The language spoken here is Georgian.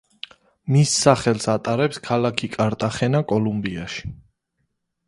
მის სახელს ატარებს ქალაქი კარტახენა კოლუმბიაში.